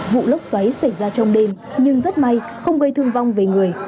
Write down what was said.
vụ lốc xoáy xảy ra trong đêm nhưng rất may không gây thương vong về người